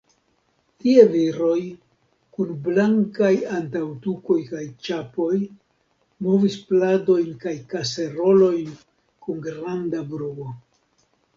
Tie viroj, kun blankaj antaŭtukoj kaj ĉapoj, movis pladojn kaj kaserolojn kun granda bruo.